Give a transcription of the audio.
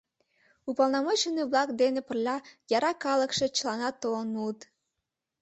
Уполномоченный-влак дене пырля яра калыкше чыланат толын улыт.